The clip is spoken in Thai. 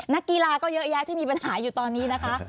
นักกีฬาก็เยอะแยะที่มีปัญหาอยู่ตอนนี้นะคะ